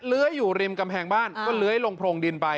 เลื้อยอยู่ริมกำแพงบ้านก็เลื้อยลงโพรงดินไป